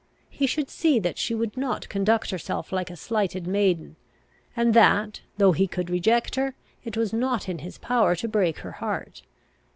He should see that she would not conduct herself like a slighted maiden, and that, though he could reject her, it was not in his power to break her heart.